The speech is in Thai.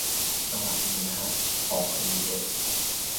จังหวะดีนะฮะ ออกพอดีเป๊ะ